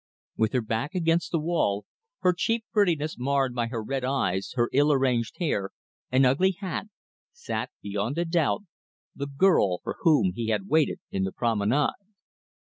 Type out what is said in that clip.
With her back against the wall, her cheap prettiness marred by her red eyes, her ill arranged hair, and ugly hat, sat, beyond a doubt, the girl for whom he had waited in the promenade.